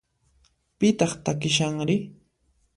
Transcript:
Pitaq takishanri?